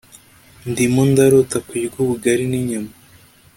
ndimo ndarota kurya ubugari ninyama